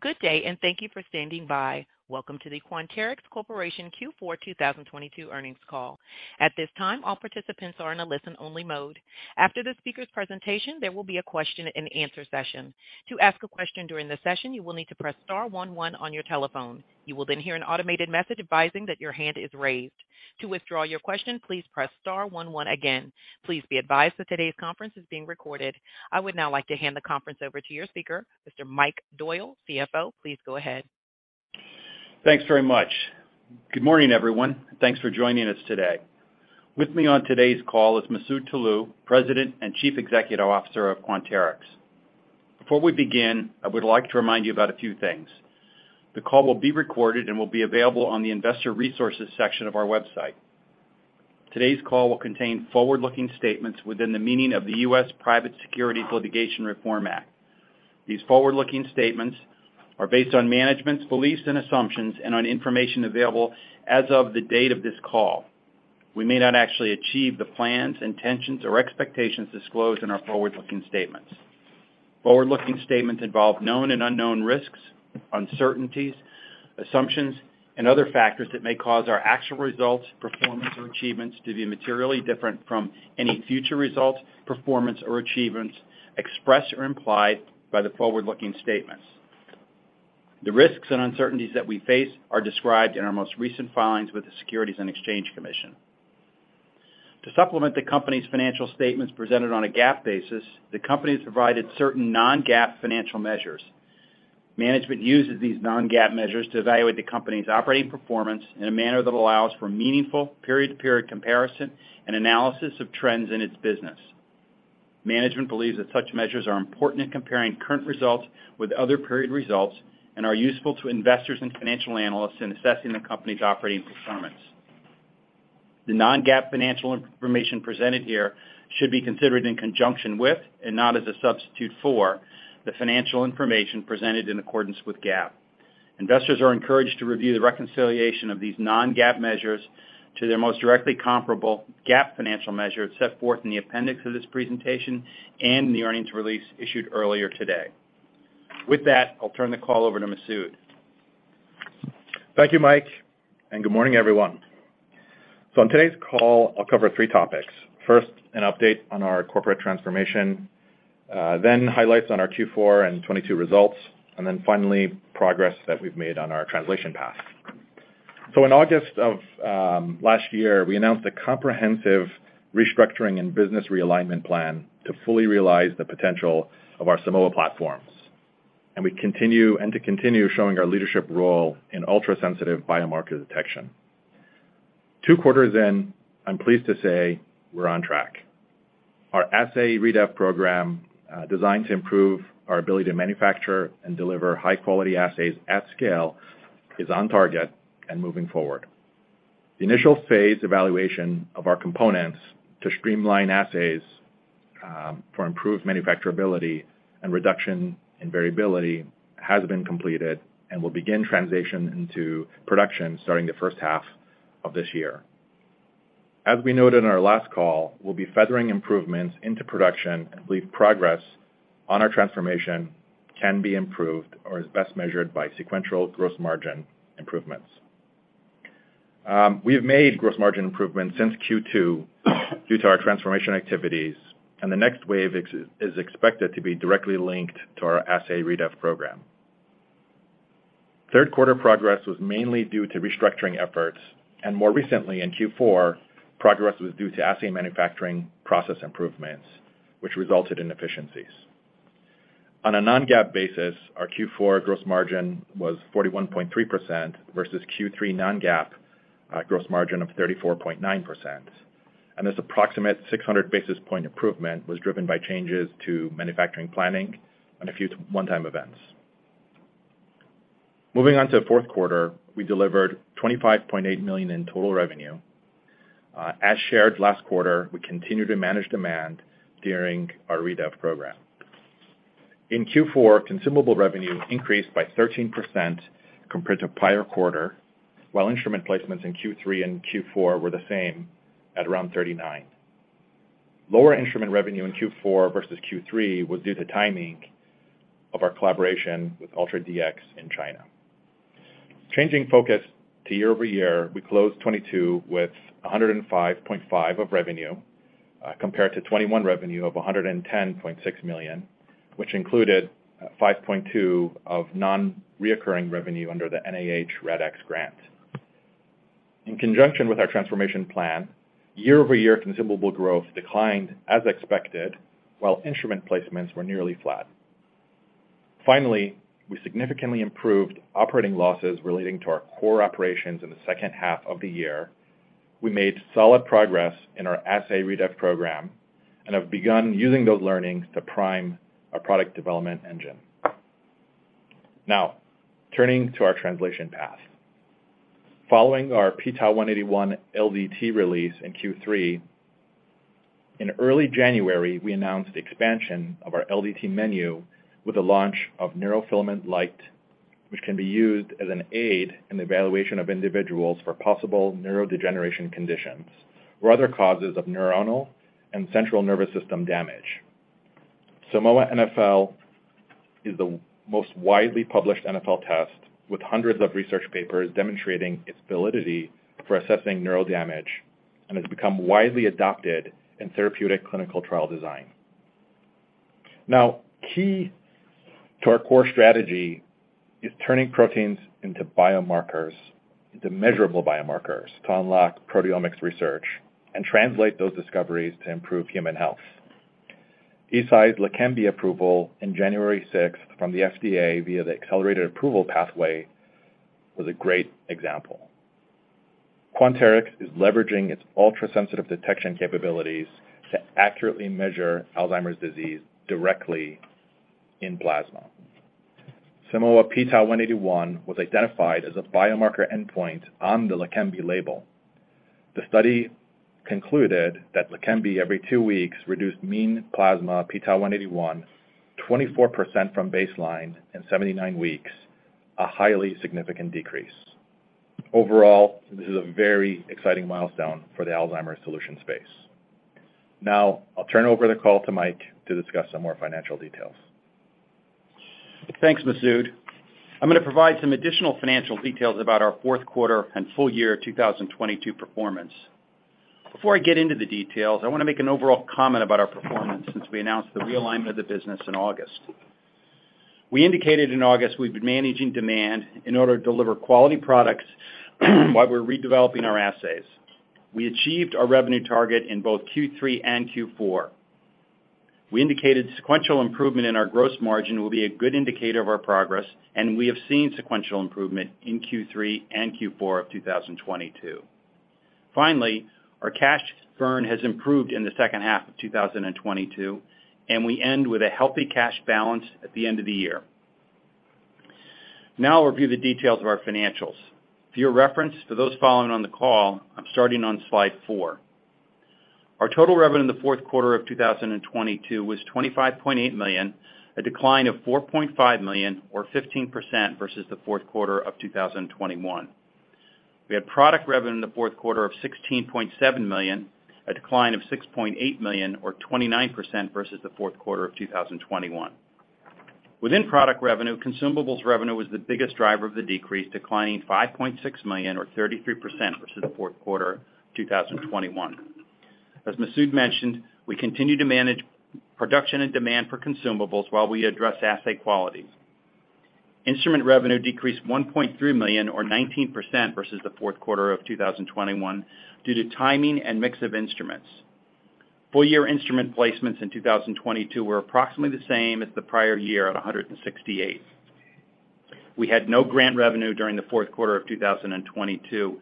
Good day. Thank you for standing by. Welcome to the Quanterix Corporation Q4 2022 earnings call. At this time, all participants are in a listen-only mode. After the speaker's presentation, there will be a question and answer session. To ask a question during the session, you will need to press star one one on your telephone. You will then hear an automated message advising that your hand is raised. To withdraw your question, please press star one one again. Please be advised that today's conference is being recorded. I would now like to hand the conference over to your speaker, Mr. Michael Doyle, CFO. Please go ahead. Thanks very much. Good morning, everyone. Thanks for joining us today. With me on today's call is Masoud Toloue, President and Chief Executive Officer of Quanterix. Before we begin, I would like to remind you about a few things. The call will be recorded and will be available on the investor resources section of our website. Today's call will contain forward-looking statements within the meaning of the US Private Securities Litigation Reform Act. These forward-looking statements are based on management's beliefs and assumptions and on information available as of the date of this call. We may not actually achieve the plans, intentions, or expectations disclosed in our forward-looking statements. Forward-looking statements involve known and unknown risks, uncertainties, assumptions, and other factors that may cause our actual results, performance, or achievements to be materially different from any future results, performance or achievements expressed or implied by the forward-looking statements. The risks and uncertainties that we face are described in our most recent filings with the Securities and Exchange Commission. To supplement the company's financial statements presented on a GAAP basis, the company's provided certain non-GAAP financial measures. Management uses these non-GAAP measures to evaluate the company's operating performance in a manner that allows for meaningful period-to-period comparison and analysis of trends in its business. Management believes that such measures are important in comparing current results with other period results and are useful to investors and financial analysts in assessing the company's operating performance. The non-GAAP financial information presented here should be considered in conjunction with, and not as a substitute for, the financial information presented in accordance with GAAP. Investors are encouraged to review the reconciliation of these non-GAAP measures to their most directly comparable GAAP financial measures set forth in the appendix of this presentation and in the earnings release issued earlier today. With that, I'll turn the call over to Masoud. Thank you, Mike, and good morning, everyone. On today's call, I'll cover three topics. First, an update on our corporate transformation, then highlights on our Q4 and 2022 results, and then finally, progress that we've made on our translation path. In August of last year, we announced a comprehensive restructuring and business realignment plan to fully realize the potential of our Simoa platforms, and to continue showing our leadership role in ultrasensitive biomarker detection. Two quarters in, I'm pleased to say we're on track. Our assay redev program, designed to improve our ability to manufacture and deliver high-quality assays at scale, is on target and moving forward. The initial phase evaluation of our components to streamline assays, for improved manufacturability and reduction in variability has been completed and will begin transition into production starting the first half of this year. As we noted in our last call, we'll be feathering improvements into production and believe progress on our transformation can be improved or is best measured by sequential gross margin improvements. We have made gross margin improvements since Q2 due to our transformation activities, and the next wave is expected to be directly linked to our assay redev program. Q3 progress was mainly due to restructuring efforts, and more recently in Q4, progress was due to assay manufacturing process improvements, which resulted in efficiencies. On a non-GAAP basis, our Q4 gross margin was 41.3% versus Q3 non-GAAP gross margin of 34.9%. This approximate 600 basis point improvement was driven by changes to manufacturing planning and a few one-time events. Moving on to the Q4, we delivered $25.8 million in total revenue. As shared last quarter, we continued to manage demand during our redev program. In Q4, consumable revenue increased by 13% compared to prior quarter, while instrument placements in Q3 and Q4 were the same at around 39. Lower instrument revenue in Q4 versus Q3 was due to timing of our collaboration with UltraDx in China. Changing focus to year-over-year, we closed 2022 with $105.5 of revenue compared to 2021 revenue of $110.6 million, which included $5.2 of non-recurring revenue under the NIH RADx grant. In conjunction with our transformation plan, year-over-year consumable growth declined as expected, while instrument placements were nearly flat. Finally, we significantly improved operating losses relating to our core operations in the second half of the year. We made solid progress in our assay redev program and have begun using those learnings to prime our product development engine. Turning to our translation path. Following our p-Tau 181 LDT release in Q3, in early January, we announced the expansion of our LDT menu with the launch of Neurofilament light, which can be used as an aid in the evaluation of individuals for possible neurodegeneration conditions or other causes of neuronal and central nervous system damage. Simoa NfL is the most widely published NfL test with hundreds of research papers demonstrating its validity for assessing neural damage, and has become widely adopted in therapeutic clinical trial design. Key to our core strategy is turning proteins into biomarkers, into measurable biomarkers, to unlock proteomics research and translate those discoveries to improve human health. Leqembi approval in January 6th from the FDA via the accelerated approval pathway was a great example. Quanterix is leveraging its ultrasensitive detection capabilities to accurately measure Alzheimer's disease directly in plasma. Simoa p-Tau 181 was identified as a biomarker endpoint on the Leqembi label. The study concluded that Leqembi every two weeks reduced mean plasma p-Tau 181 24% from baseline in 79 weeks, a highly significant decrease. Overall, this is a very exciting milestone for the Alzheimer's solution space. I'll turn over the call to Mike to discuss some more financial details. Thanks, Masoud. I'm gonna provide some additional financial details about our Q4 and full year 2022 performance. Before I get into the details, I wanna make an overall comment about our performance since we announced the realignment of the business in August. We indicated in August we've been managing demand in order to deliver quality products while we're redeveloping our assays. We achieved our revenue target in both Q3 and Q4. We indicated sequential improvement in our gross margin will be a good indicator of our progress, and we have seen sequential improvement in Q3 and Q4 of 2022. Finally, our cash burn has improved in the second half of 2022, and we end with a healthy cash balance at the end of the year. Now I'll review the details of our financials. For your reference, for those following on the call, I'm starting on slide four. Our total revenue in the Q4 of 2022 was $25.8 million, a decline of $4.5 million or 15% versus the Q4 of 2021. We had product revenue in the Q4 of $16.7 million, a decline of $6.8 million or 29% versus the Q4 of 2021. Within product revenue, consumables revenue was the biggest driver of the decrease, declining $5.6 million or 33% versus the Q4 of 2021. As Masoud mentioned, we continue to manage production and demand for consumables while we address assay quality. Instrument revenue decreased $1.3 million or 19% versus the Q4 of 2021 due to timing and mix of instruments. Full year instrument placements in 2022 were approximately the same as the prior year at 168. We had no grant revenue during the Q4 of 2022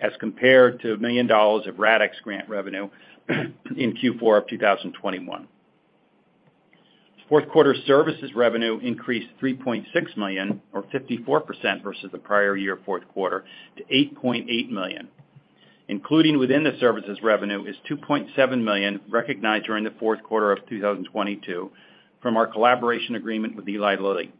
as compared to $1 million of RADx grant revenue in Q4 of 2021. Q4 services revenue increased $3.6 million or 54% versus the prior year Q4 to $8.8 million. Including within the services revenue is $2.7 million recognized during the Q4 of 2022 from our collaboration agreement with Eli Lilly.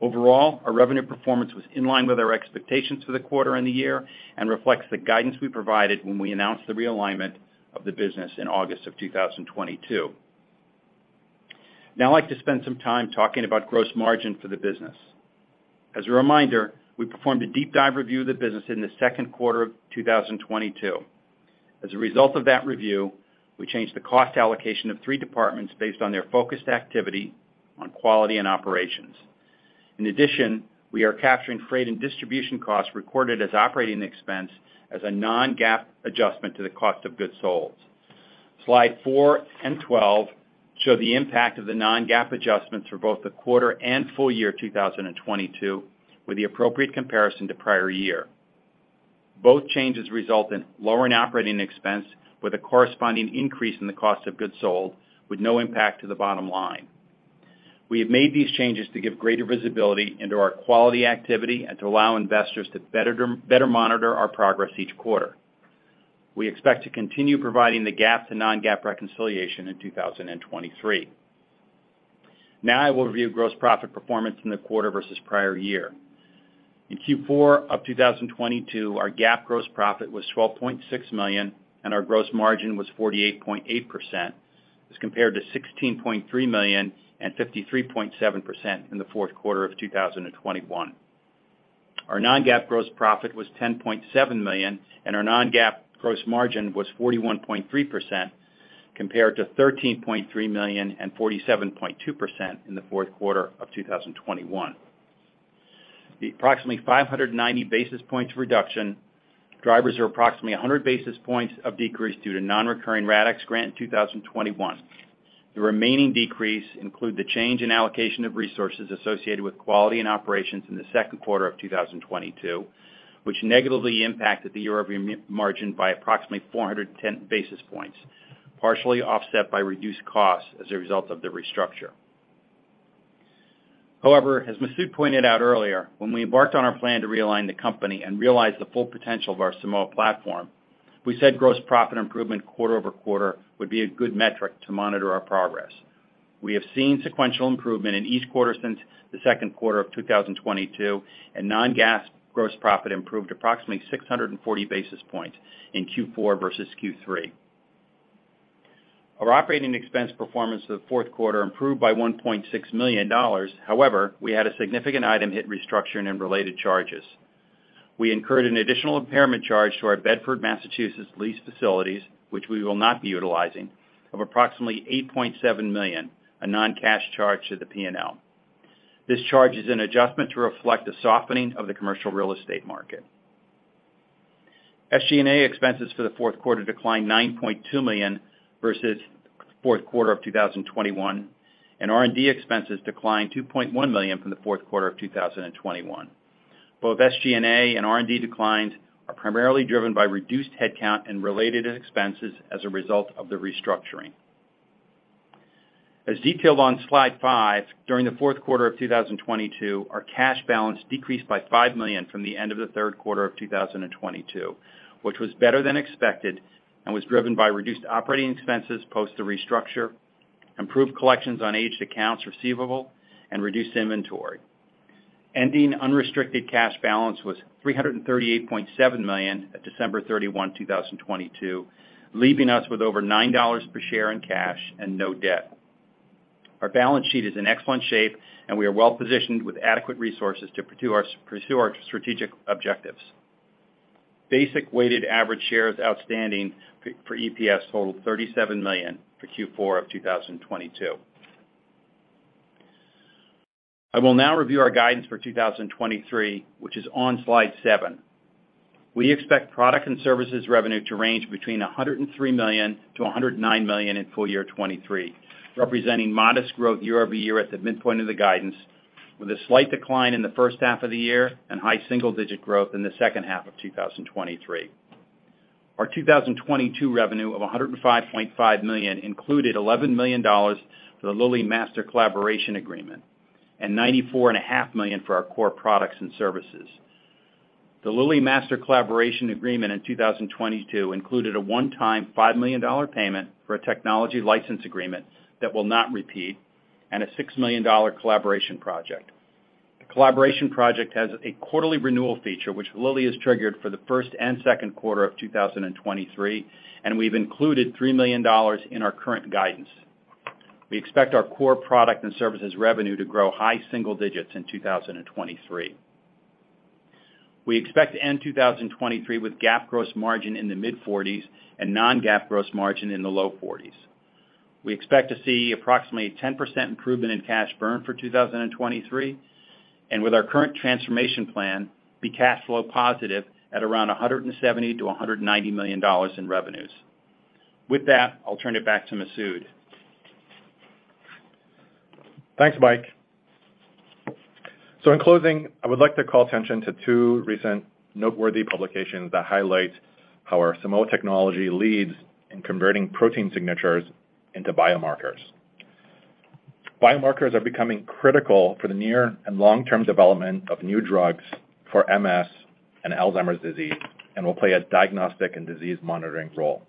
Overall, our revenue performance was in line with our expectations for the quarter and the year and reflects the guidance we provided when we announced the realignment of the business in August of 2022. Now I'd like to spend some time talking about gross margin for the business. As a reminder, we performed a deep dive review of the business in the Q2 of 2022. As a result of that review, we changed the cost allocation of three departments based on their focused activity on quality and operations. In addition, we are capturing freight and distribution costs recorded as operating expense as a non-GAAP adjustment to the cost of goods sold. Slide four and 12 show the impact of the non-GAAP adjustments for both the quarter and full year 2022, with the appropriate comparison to prior year. Both changes result in lower operating expense with a corresponding increase in the cost of goods sold with no impact to the bottom line. We have made these changes to give greater visibility into our quality activity and to allow investors to better monitor our progress each quarter. We expect to continue providing the GAAP to non-GAAP reconciliation in 2023. Now I will review gross profit performance in the quarter versus prior year. In Q4 of 2022, our GAAP gross profit was $12.6 million, and our gross margin was 48.8% as compared to $16.3 million and 53.7% in the Q4 of 2021. Our non-GAAP gross profit was $10.7 million, and our non-GAAP gross margin was 41.3% compared to $13.3 million and 47.2% in the Q4 of 2021. The approximately 590 basis points reduction, drivers are approximately 100 basis points of decrease due to non-recurring RADx grant in 2021. The remaining decrease include the change in allocation of resources associated with quality and operations in the Q2 of 2022, which negatively impacted the year-over-year margin by approximately 410 basis points, partially offset by reduced costs as a result of the restructure. As Masoud pointed out earlier, when we embarked on our plan to realign the company and realize the full potential of our Simoa platform, we said gross profit improvement quarter-over-quarter would be a good metric to monitor our progress. We have seen sequential improvement in each quarter since the Q2 of 2022, and non-GAAP gross profit improved approximately 640 basis points in Q4 versus Q3. Our operating expense performance for the Q4 improved by $1.6 million. We had a significant item hit restructuring and related charges. We incurred an additional impairment charge to our Bedford, Massachusetts, lease facilities, which we will not be utilizing, of approximately $8.7 million, a non-cash charge to the P&L. This charge is an adjustment to reflect the softening of the commercial real estate market. SG&A expenses for the Q4 declined $9.2 million versus Q4 of 2021. R&D expenses declined $2.1 million from the Q4 of 2021. Both SG&A and R&D declines are primarily driven by reduced headcount and related expenses as a result of the restructuring. As detailed on slide five, during the Q4 of 2022, our cash balance decreased by $5 million from the end of the Q3 of 2022, which was better than expected and was driven by reduced operating expenses post the restructure, improved collections on aged accounts receivable, and reduced inventory. Ending unrestricted cash balance was $338.7 million at December 31, 2022, leaving us with over $9 per share in cash and no debt. Our balance sheet is in excellent shape, and we are well-positioned with adequate resources to pursue our strategic objectives. Basic weighted average shares outstanding for EPS totaled $37 million for Q4 of 2022. I will now review our guidance for 2023, which is on slide seven. We expect product and services revenue to range between $103 million-$109 million in full year 2023, representing modest growth year-over-year at the midpoint of the guidance, with a slight decline in the first half of the year and high single-digit growth in the second half of 2023. Our 2022 revenue of $105.5 million included $11 million for the Eli Lilly master collaboration agreement and $94.5 million for our core products and services. The Lilly master collaboration agreement in 2022 included a one-time $5 million payment for a technology license agreement that will not repeat and a $6 million collaboration project. The collaboration project has a quarterly renewal feature which Lilly has triggered for the first and Q2 of 2023, and we've included $3 million in our current guidance. We expect our core product and services revenue to grow high single digits in 2023. We expect to end 2023 with GAAP gross margin in the mid-40s% and non-GAAP gross margin in the low 40s%. We expect to see approximately a 10% improvement in cash burn for 2023, and with our current transformation plan, be cash flow positive at around $170 million-$190 million in revenues. With that, I'll turn it back to Masoud. Thanks, Mike. In closing, I would like to call attention to two recent noteworthy publications that highlight how our Simoa technology leads in converting protein signatures into biomarkers. Biomarkers are becoming critical for the near and long-term development of new drugs for MS and Alzheimer's disease and will play a diagnostic and disease monitoring role.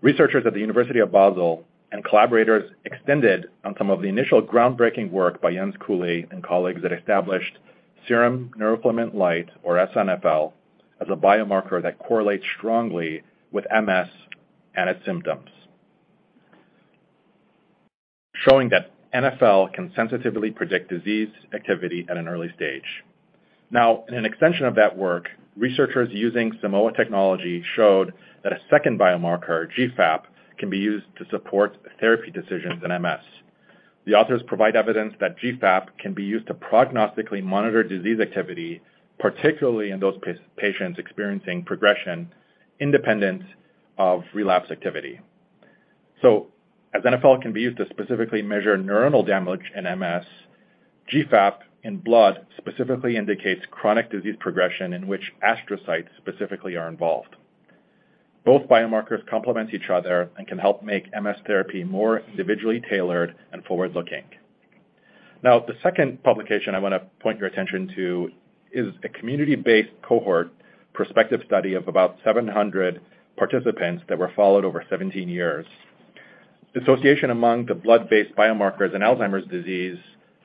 Researchers at the University of Basel and collaborators extended on some of the initial groundbreaking work by Jens Kuhle and colleagues that established serum neurofilament light, or SNFL, as a biomarker that correlates strongly with MS and its symptoms, showing that NfL can sensitively predict disease activity at an early stage. In an extension of that work, researchers using Simoa technology showed that a second biomarker, GFAP, can be used to support therapy decisions in MS. The authors provide evidence that GFAP can be used to prognostically monitor disease activity, particularly in those patients experiencing progression independent of relapse activity. As NfL can be used to specifically measure neuronal damage in MS, GFAP in blood specifically indicates chronic disease progression in which astrocytes specifically are involved. Both biomarkers complement each other and can help make MS therapy more individually tailored and forward-looking. The second publication I want to point your attention to is a community-based cohort prospective study of about 700 participants that were followed over 17 years. The association among the blood-based biomarkers in Alzheimer's disease,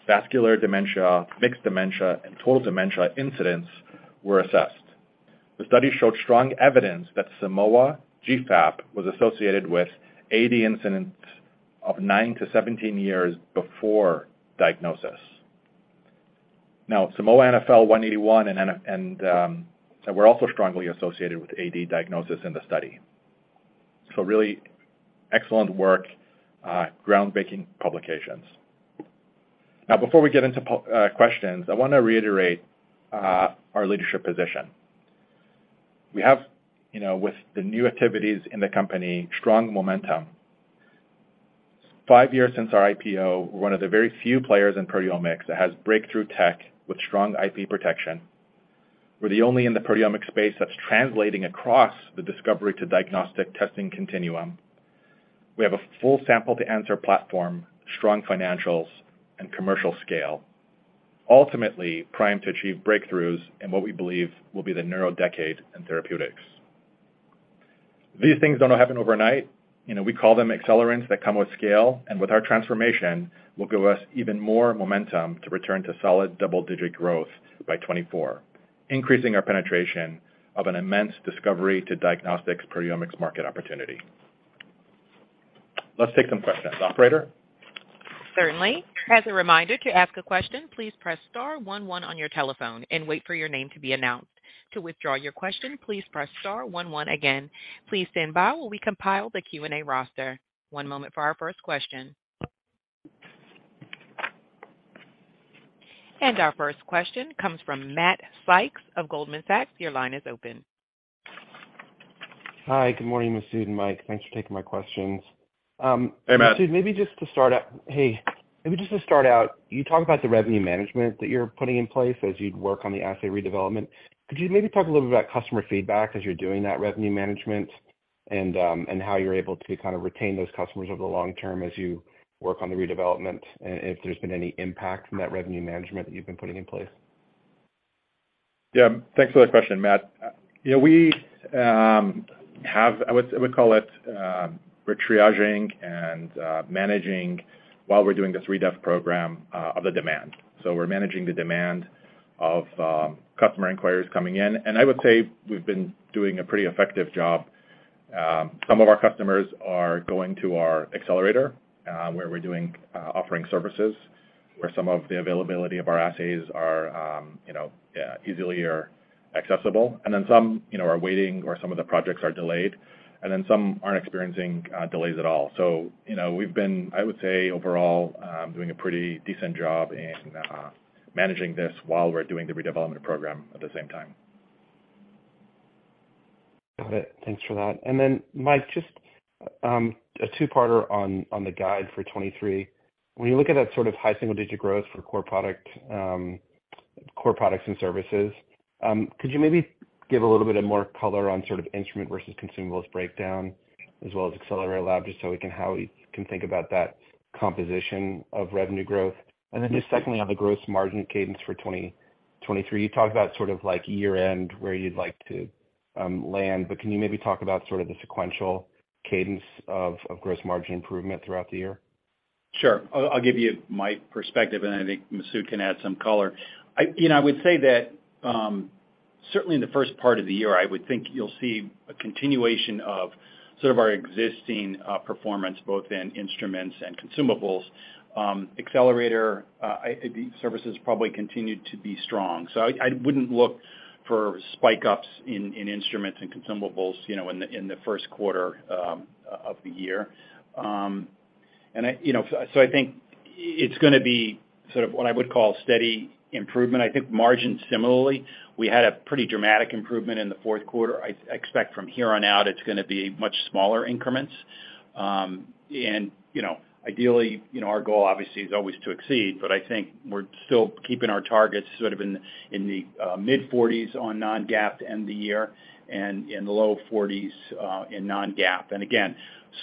vascular dementia, mixed dementia, and total dementia incidents were assessed. The study showed strong evidence that Simoa GFAP was associated with AD incidents of nine to 17 years before diagnosis. Simoa p-Tau 181 were also strongly associated with AD diagnosis in the study. Really excellent work, groundbreaking publications. Before we get into questions, I want to reiterate our leadership position. We have, you know, with the new activities in the company, strong momentum. Five years since our IPO, we're one of the very few players in proteomics that has breakthrough tech with strong IP protection. We're the only in the proteomics space that's translating across the discovery to diagnostic testing continuum. We have a full sample to answer platform, strong financials, and commercial scale, ultimately primed to achieve breakthroughs in what we believe will be the neuro decade in therapeutics. These things don't happen overnight. You know, we call them accelerants that come with scale, and with our transformation, will give us even more momentum to return to solid double-digit growth by 2024, increasing our penetration of an immense discovery to diagnostics proteomics market opportunity. Let's take some questions. Operator? Certainly. As a reminder, to ask a question, please press star one one on your telephone and wait for your name to be announced. To withdraw your question, please press star one one again. Please stand by while we compile the Q&A roster. One moment for our first question. Our first question comes from Matt Sykes of Goldman Sachs. Your line is open. Hi, good morning, Masoud and Mike. Thanks for taking my questions. Hey, Matt. Masoud, Hey, maybe just to start out, you talk about the revenue management that you're putting in place as you'd work on the assay redevelopment. Could you maybe talk a little bit about customer feedback as you're doing that revenue management and how you're able to kind of retain those customers over the long term as you work on the redevelopment, and if there's been any impact from that revenue management that you've been putting in place? Thanks for that question, Matt. We have, I would call it, we're triaging and managing while we're doing this redev program of the demand. We're managing the demand of customer inquiries coming in. I would say we've been doing a pretty effective job. Some of our customers are going to our Accelerator, where we're doing offering services, where some of the availability of our assays are, you know, easily or accessible. Some, you know, are waiting or some of the projects are delayed, some aren't experiencing delays at all. You know, we've been, I would say, overall, doing a pretty decent job in managing this while we're doing the redevelopment program at the same time. Got it. Thanks for that. Mike, just a two-parter on the guide for 2023. When you look at that sort of high single-digit growth for core product, core products and services, could you maybe give a little bit of more color on sort of instrument versus consumables breakdown as well as Accelerator Lab, just so we can think about that composition of revenue growth? Just secondly, on the gross margin cadence for 2023, you talked about sort of like year-end, where you'd like to land, but can you maybe talk about sort of the sequential cadence of gross margin improvement throughout the year? Sure. I'll give you my perspective, and I think Masoud can add some color. You know, I would say that, certainly in the first part of the year, I would think you'll see a continuation of sort of our existing performance both in instruments and consumables. Accelerator services probably continue to be strong. I wouldn't look for spike ups in instruments and consumables, you know, in the Q1 of the year. I, you know, I think it's gonna be sort of what I would call steady improvement. I think margin similarly, we had a pretty dramatic improvement in the Q4. I expect from here on out, it's gonna be much smaller increments. Ideally, you know, our goal obviously is always to exceed, but I think we're still keeping our targets sort of in the mid-40s on non-GAAP to end the year and in the low 40s in non-GAAP. Again,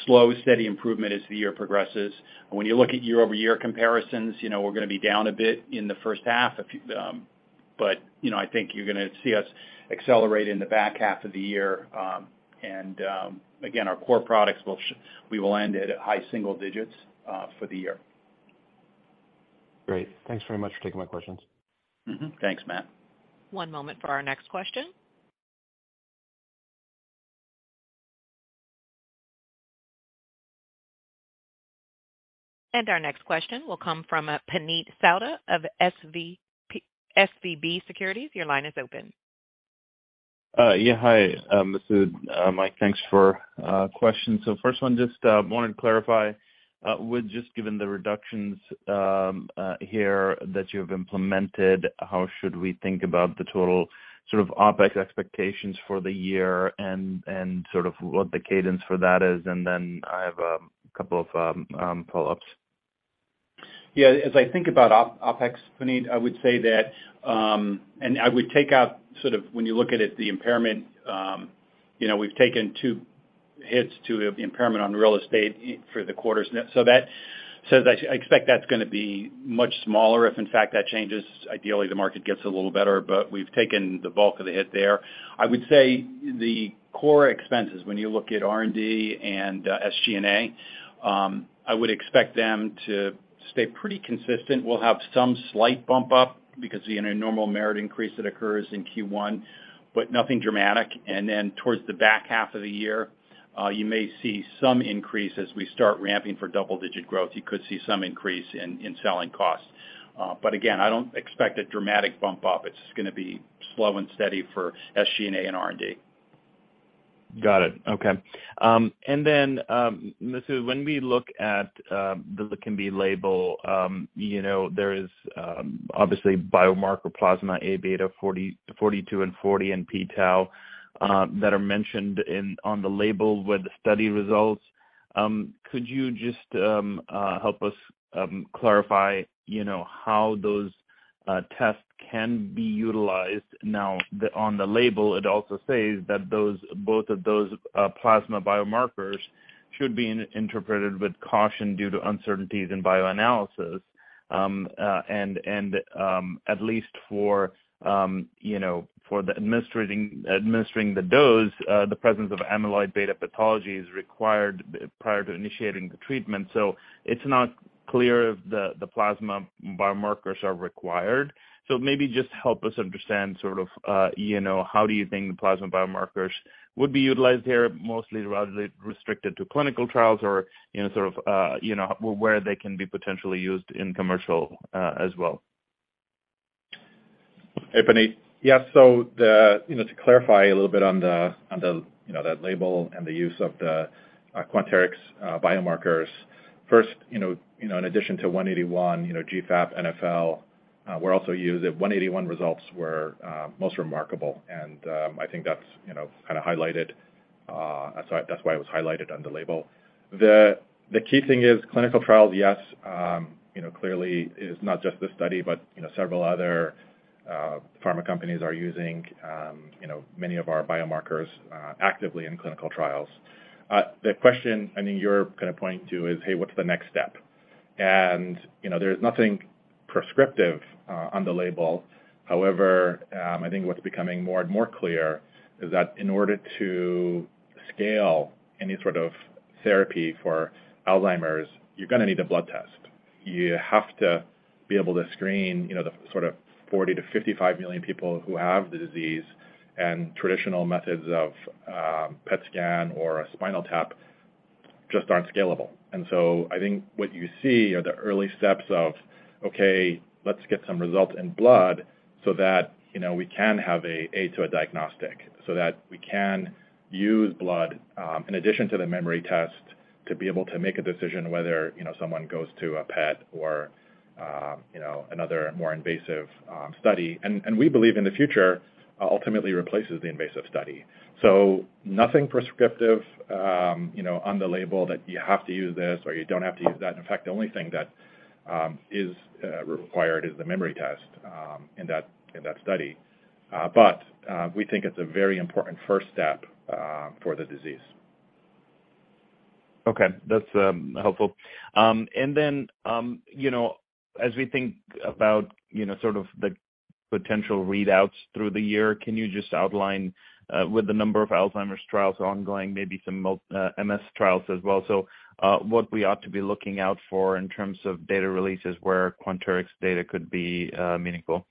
slow, steady improvement as the year progresses. When you look at year-over-year comparisons, you know, we're gonna be down a bit in the first half, but, you know, I think you're gonna see us accelerate in the back half of the year. Again, our core products we will end at high single digits for the year. Great. Thanks very much for taking my questions. Mm-hmm. Thanks, Matt. One moment for our next question. Our next question will come from Puneet Souda of SVB Securities. Your line is open. Yeah. Hi, Masoud, Mike, thanks for questions. First one, just wanted to clarify with just given the reductions here that you've implemented, how should we think about the total sort of OpEx expectations for the year and sort of what the cadence for that is? I have a couple of follow-ups. As I think about OpEx, Paneet, I would say that, and I would take out sort of when you look at it, the impairment, you know, we've taken two hits to the impairment on real estate for the quarters. That says I expect that's gonna be much smaller if in fact that changes. Ideally, the market gets a little better, but we've taken the bulk of the hit there. I would say the core expenses, when you look at R&D and SG&A, I would expect them to stay pretty consistent. We'll have some slight bump up because the normal merit increase that occurs in Q1, but nothing dramatic. Then towards the back half of the year, you may see some increase as we start ramping for double-digit growth. You could see some increase in selling costs. Again, I don't expect a dramatic bump up. It's gonna be slow and steady for SG&A and R&D. Got it. Okay. Masoud, when we look at the lecanemab label, you know, there is obviously biomarker plasma, A beta 42 and 40 and p-tau, that are mentioned on the label with the study results. Could you just help us clarify, you know, how those tests can be utilized now on the label, it also says that both of those plasma biomarkers should be interpreted with caution due to uncertainties in bioanalysis. And at least for, you know, for administering the dose, the presence of amyloid-beta pathology is required prior to initiating the treatment. It's not clear if the plasma biomarkers are required. Maybe just help us understand sort of, you know, how do you think the plasma biomarkers would be utilized here, mostly rather restricted to clinical trials or, you know, sort of, you know, where they can be potentially used in commercial, as well? Hey, Puneet. Yes. you know, to clarify a little bit on the, you know, that label and the use of the Quanterix biomarkers. First, you know, in addition to 181, you know, GFAP, NfL, we're also the 181 results were most remarkable, and, I think that's, you know, kind of highlighted, so that's why it was highlighted on the label. The key thing is clinical trials, yes, you know, clearly is not just this study, but, you know, several other pharma companies are using, you know, many of our biomarkers actively in clinical trials. The question I think you're kind of pointing to is, hey, what's the next step? you know, there's nothing prescriptive on the label. However, I think what's becoming more and more clear is that in order to scale any sort of therapy for Alzheimer's, you're gonna need a blood test. You have to be able to screen, you know, the sort of 40 to 55 million people who have the disease. Traditional methods of PET scan or a spinal tap just aren't scalable. I think what you see are the early steps of, okay, let's get some results in blood so that, you know, we can have a diagnostic, so that we can use blood in addition to the memory test, to be able to make a decision whether, you know, someone goes to a PET or, you know, another more invasive study. We believe in the future, ultimately replaces the invasive study. Nothing prescriptive, you know, on the label that you have to use this or you don't have to use that. In fact, the only thing that is required is the memory test in that study. We think it's a very important first step for the disease. Okay. That's helpful. You know, as we think about, you know, sort of the potential readouts through the year, can you just outline, with the number of Alzheimer's trials ongoing, maybe some MS trials as well. What we ought to be looking out for in terms of data releases where Quanterix data could be meaningful.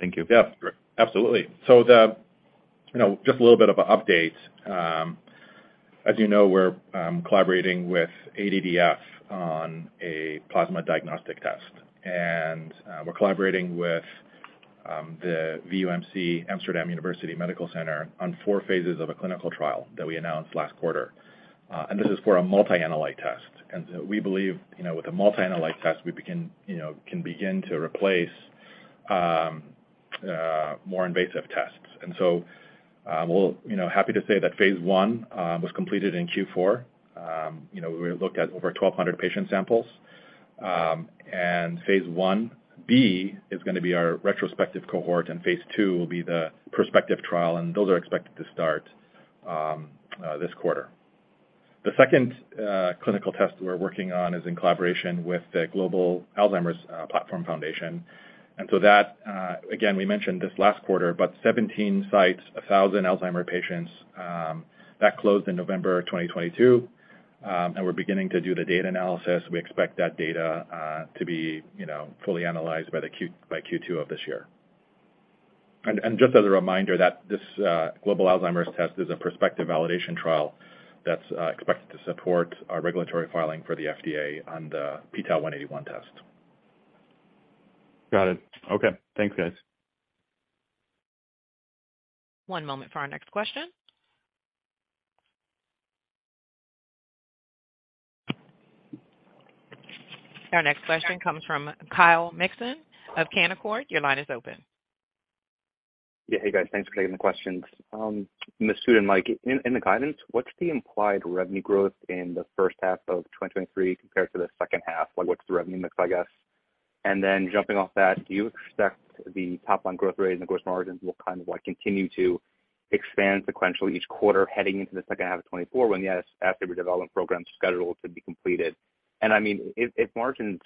Thank you. Yeah. Absolutely. The, you know, just a little bit of an update. As you know, we're collaborating with ADDF on a plasma diagnostic test, and we're collaborating with the VUMC, Amsterdam University Medical Center, on 4 phases of a clinical trial that we announced last quarter. This is for a multi-analyte test. We believe, you know, with a multi-analyte test, can begin to replace more invasive tests. Happy to say that phase I was completed in Q4. You know, we looked at over 1,200 patient samples. Phase 1B is gonna be our retrospective cohort, and phase II will be the prospective trial, and those are expected to start this quarter. The second clinical test we're working on is in collaboration with the Global Alzheimer's Platform Foundation. That, again, we mentioned this last quarter, but 17 sites, 1,000 Alzheimer's patients, that closed in November 2022. We're beginning to do the data analysis. We expect that data, to be, you know, fully analyzed by Q2 of this year. Just as a reminder that this global Alzheimer's test is a prospective validation trial that's expected to support our regulatory filing for the FDA on the p-Tau 181 test. Got it. Okay. Thanks, guys. One moment for our next question. Our next question comes from Kyle Mikson of Canaccord. Your line is open. Yeah. Hey, guys. Thanks for taking the questions. Masoud and Mike, in the guidance, what's the implied revenue growth in the first half of 2023 compared to the second half? Like, what's the revenue mix, I guess? Jumping off that, do you expect the top line growth rate and the gross margins will kind of, like, continue to expand sequentially each quarter heading into the second half of 2024 when the asset redevelopment program is scheduled to be completed? I mean, if margins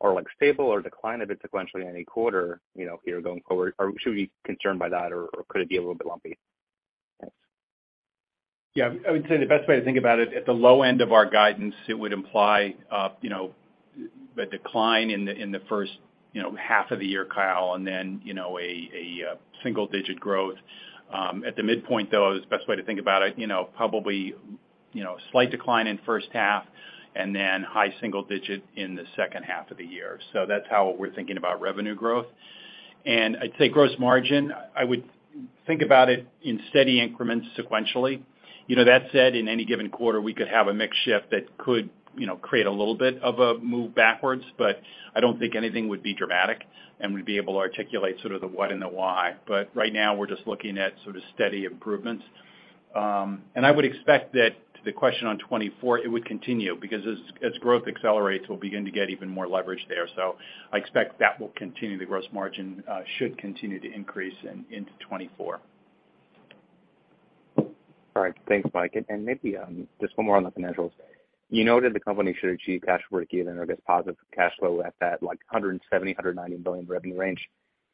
are, like, stable or decline a bit sequentially in any quarter, you know, here going forward, should we be concerned by that or could it be a little bit lumpy? Thanks. Yeah. I would say the best way to think about it, at the low end of our guidance, it would imply, you know, a decline in the, in the first, you know, half of the year, Kyle, and then, you know, a single-digit growth. At the midpoint, though, the best way to think about it, you know, probably, you know, slight decline in first half and then high single-digit in the second half of the year. That's how we're thinking about revenue growth. I'd say gross margin, I would think about it in steady increments sequentially. You know, that said, in any given quarter, we could have a mix shift that could, you know, create a little bit of a move backwards, but I don't think anything would be dramatic and we'd be able to articulate sort of the what and the why. Right now we're just looking at sort of steady improvements. I would expect that to the question on 2024, it would continue because as growth accelerates, we'll begin to get even more leverage there. I expect that will continue. The gross margin should continue to increase in, into 2024. All right. Thanks, Mike. Maybe just one more on the financials. You noted the company should achieve cash break even or I guess positive cash flow at that, like, $170 million-$190 million revenue range.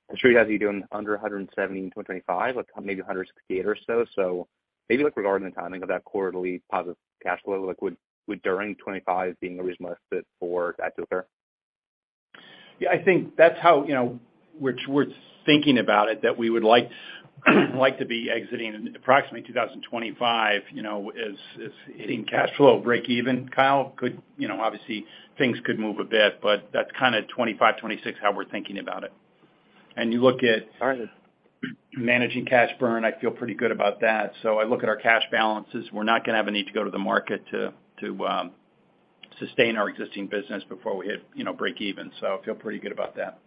I'm sure you guys are doing under $170 million in 2025, like maybe $168 million or so. Maybe like regarding the timing of that quarterly positive cash flow, like would during 2025 being a reasonable fit for that deal there? Yeah, I think that's how, you know, we're thinking about it, that we would like to be exiting in approximately 2025, you know, as hitting cash flow break even, Kyle. Could, you know, obviously things could move a bit, but that's kinda 2025-2026 how we're thinking about it. Got it. Managing cash burn, I feel pretty good about that. I look at our cash balances. We're not going to have a need to go to the market to sustain our existing business before we hit, you know, break even. I feel pretty good about that.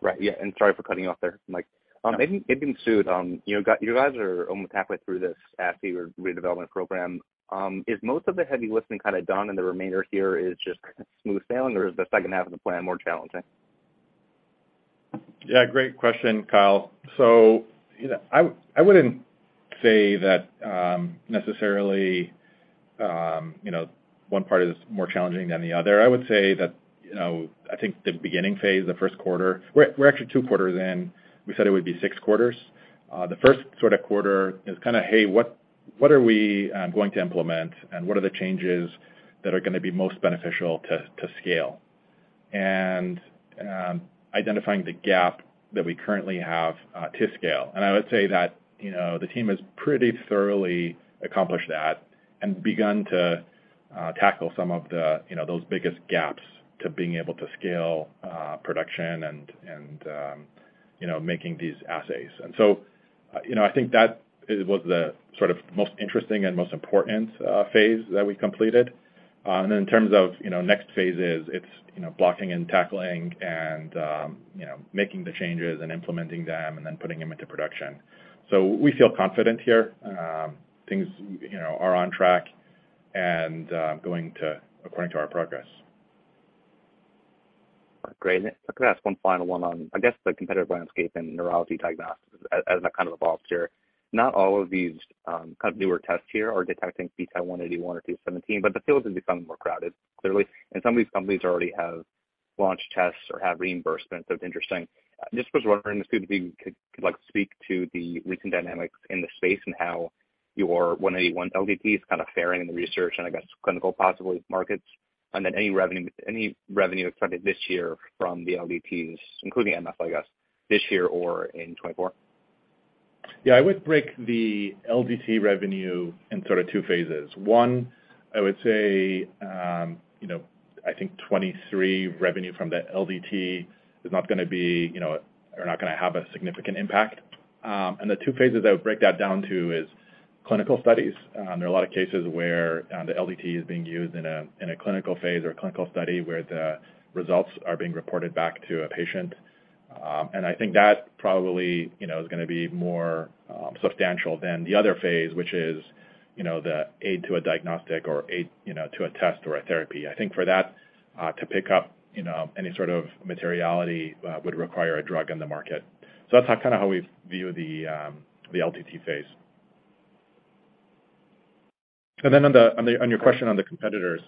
Right. Yeah, sorry for cutting you off there, Mike. Maybe Sue, you know, you guys are almost halfway through this assay or redevelopment program. Is most of the heavy lifting kind of done and the remainder here is just smooth sailing or is the second half of the plan more challenging? Yeah, great question, Kyle. I wouldn't say that, you know, necessarily, you know, one part is more challenging than the other. I would say that, you know, I think the beginning phase, the Q1. We're actually two quarters in. We said it would be six quarters. The first sort of quarter is kinda, hey, what are we going to implement and what are the changes that are gonna be most beneficial to scale? Identifying the gap that we currently have to scale. I would say that, you know, the team has pretty thoroughly accomplished that and begun to tackle some of the, you know, those biggest gaps to being able to scale production and making these assays. You know, I think that was the sort of most interesting and most important phase that we completed. In terms of, you know, next phases, it's, you know, blocking and tackling and, you know, making the changes and implementing them and then putting them into production. We feel confident here. Things, you know, are on track and, going to according to our progress. Great. If I could ask one final one on, I guess, the competitive landscape in neurology diagnostics as that kind of evolves here. Not all of these kind of newer tests here are detecting p-Tau 181 or p-tau217, but the field is becoming more crowded, clearly, and some of these companies already have launched tests or have reimbursement, so it's interesting. Just was wondering if either of you could like speak to the recent dynamics in the space and how your p-Tau 181 LDT is kind of faring in the research and I guess clinical possibly markets? Any revenue expected this year from the LDTs, including NfL, I guess, this year or in 2024? Yeah, I would break the LDT revenue in sort of two phases. One, I would say, you know, I think 23 revenue from the LDT is not gonna be, you know, or not gonna have a significant impact. The two phases I would break that down to is clinical studies, there are a lot of cases where the LDT is being used in a, in a clinical phase or a clinical study where the results are being reported back to a patient. I think that probably, you know, is gonna be more substantial than the other phase, which is, you know, the aid to a diagnostic or aid, you know, to a test or a therapy. I think for that to pick up, you know, any sort of materiality would require a drug on the market. That's kind of how we view the LDT phase. On your question on the competitors,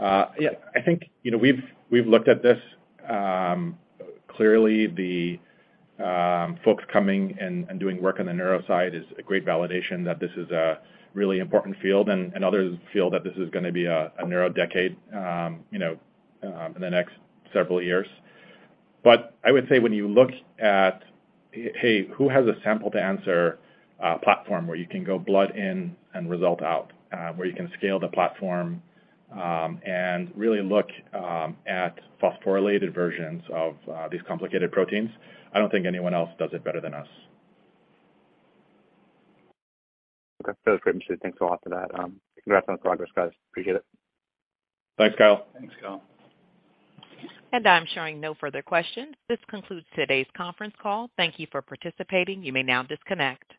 yeah, I think, you know, we've looked at this. Clearly the folks coming and doing work on the neuro side is a great validation that this is a really important field, and others feel that this is gonna be a neuro decade, you know, in the next several years. I would say when you look at, hey, who has a sample to answer platform where you can go blood in and result out, where you can scale the platform, and really look at phosphorylated versions of these complicated proteins, I don't think anyone else does it better than us. Okay. No, great. Appreciate it. Thanks a lot for that. Congrats on the progress, guys. Appreciate it. Thanks, Kyle. Thanks, Kyle. I'm showing no further questions. This concludes today's conference call. Thank you for participating. You may now disconnect.